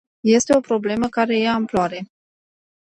Este o problemă care ia amploare.